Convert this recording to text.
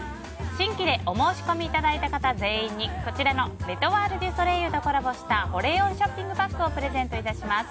新規でお申し込みいただいた方全員にこちらのレ・トワール・デュ・ソレイユとコラボした保冷温ショッピングバッグをプレゼント致します。